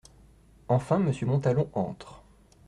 Enfin monsieur Montalon entre…